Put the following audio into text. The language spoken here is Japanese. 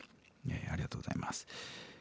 ありがとうございます。